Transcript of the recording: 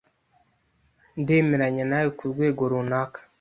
Ndemeranya nawe kurwego runaka.